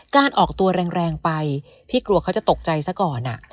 การออกตัวแรงไปพี่กลัวเขาจะตกใจซะก่อน